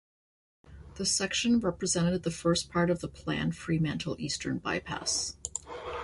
This section represented the first part of the planned Fremantle Eastern Bypass.